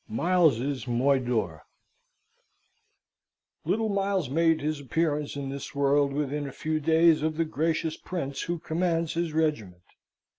Miles's Moidore Little Miles made his appearance in this world within a few days of the gracious Prince who commands his regiment.